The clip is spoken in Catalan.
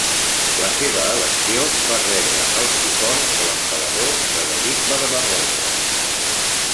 La seva elecció va rebre el suport de l'emperador Frederic Barba-roja.